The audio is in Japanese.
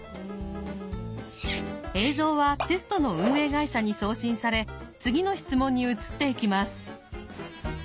映像はテストの運営会社に送信され次の質問に移っていきます。